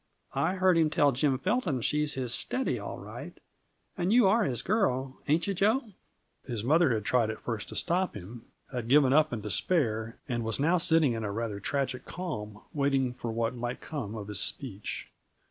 I heard him tell Jim Felton she's his steady, all right and you are his girl, ain't you, Jo?" His mother had tried at first to stop him, had given up in despair, and was now sitting in a rather tragic calm, waiting for what might come of his speech.